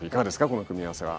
この組み合わせは。